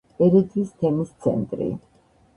ერედვის თემის ცენტრი.